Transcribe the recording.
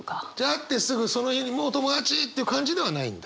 会ってすぐその日にもう友達！っていう感じではないんだ？